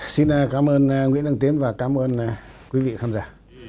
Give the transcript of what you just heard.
xin cảm ơn nguyễn đăng tiến và cảm ơn quý vị khán giả